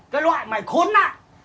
cái loại mày khốn nạn